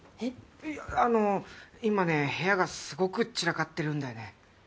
いやあの今ね部屋がすごく散らかってるんだよね。